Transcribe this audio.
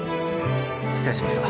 失礼しました。